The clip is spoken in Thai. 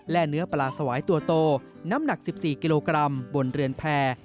และเนื้อปลาสวายตัวโตน้ำหนัก๑๔กิโลกรัมบนเรือนแพร่